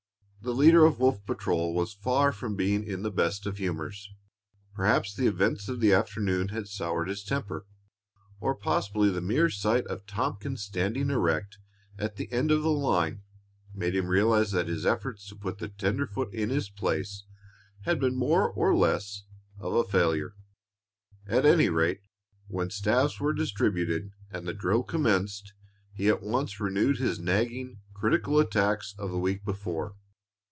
The leader of Wolf patrol was far from being in the best of humors. Perhaps the events of the afternoon had soured his temper; or possibly the mere sight of Tompkins standing erect at the end of the line made him realize that his efforts to put the tenderfoot in his place had been more or less of a failure. At any rate, when staves were distributed and the drill commenced, he at once renewed his nagging, critical attacks of the week before.